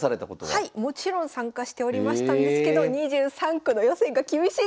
はいもちろん参加しておりましたんですけど２３区の予選が厳しいんですよ！